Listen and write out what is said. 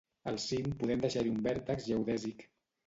"Al cim podem deixar-hi un vèrtex geodèsic."